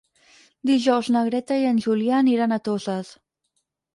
Dijous na Greta i en Julià aniran a Toses.